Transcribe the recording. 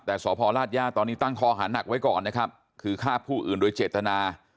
ตอนนี้ตั้งคอหาหนักไว้ก่อนนะครับคือฆ่าผู้อื่นโดยเจตนา